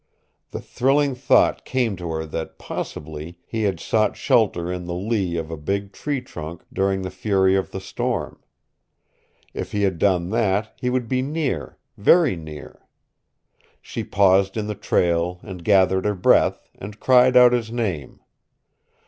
The thrilling thought came to her that possibly he had sought shelter in the lee of a big tree trunk during the fury of the storm. If he had done that he would be near, very near. She paused in the trail and gathered her breath, and cried out his name.